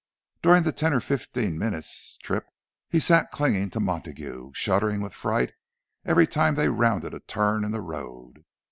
During the ten or fifteen minutes' trip he sat clinging to Montague, shuddering with fright every time they rounded a turn in the road.